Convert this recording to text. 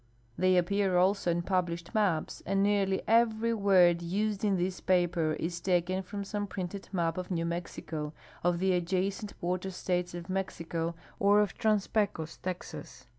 They appear also on ]niblished maj)S, and nearly every word used in this pa])er is taken from some ])rinted map of New Mexico, of the adjacent border states of Mexico, or of Trans Pecos Texas.